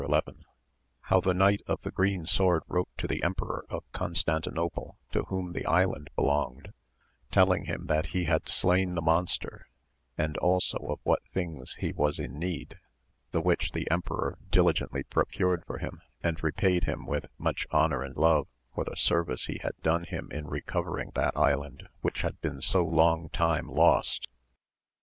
— ^How the Knight of the Green Sword wrote to the Emperor of Constantinople to whom the island belonged, telling him that he had slain the monster, and also of what things he was in need ; the which the emperor diligently procured for him and repaid him with much honour and lore for the service he had done him in recoTering that island which had been so long time lost.